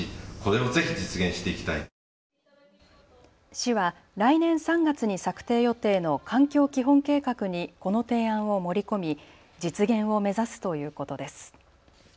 市は来年３月に策定予定の環境基本計画にこの提案を盛り込み実現を目指すということです。